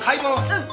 うん。